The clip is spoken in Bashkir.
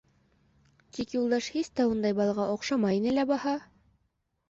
Тик Юлдаш һис тә ундай балаға оҡшамай ине лә баһа?